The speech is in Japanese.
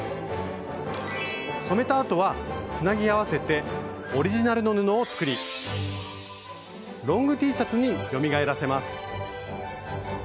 染めたあとはつなぎ合わせて「オリジナルの布」を作りロングＴシャツによみがえらせます。